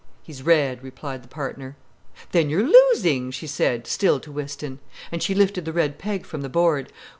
"He's red," replied the partner. "Then you're losing," she said, still to Whiston. And she lifted the red peg from the board.